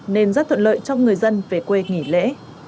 nên rất thuận lợi cho người dân về quê nghỉ lễ